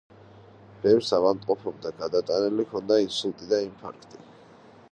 ბევრს ავადმყოფობდა; გადატანილი ჰქონდა ინსულტი და ინფარქტი.